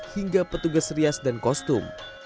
hingga petugas rias dan kostum